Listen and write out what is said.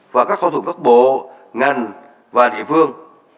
và các thỏa thuận cấp bộ ngành và địa phương